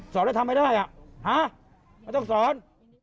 สอนแล้วทำไม่ได้ไม่ต้องสอน